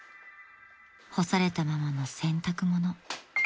［干されたままの洗濯物］